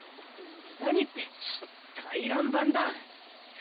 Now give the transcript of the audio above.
何って回覧板だ！